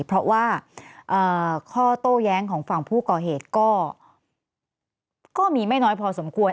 เพราะว่าข้อโต้แย้งของฝั่งผู้ก่อเหตุก็มีไม่น้อยพอสมควร